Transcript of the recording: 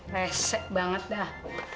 resek banget dah